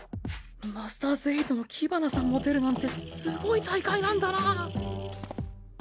マスターズエイトのキバナさんも出るなんてすごい大会なんだな。